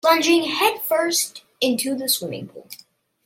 Plunging headfirst into the swimming pool.